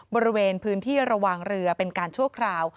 บริเวณพื้นที่ระวังเรือเป็นการชั่วคราว